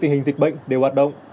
tình hình dịch bệnh để hoạt động